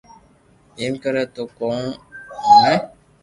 ايم ڪري تو ڪوڻ آوئي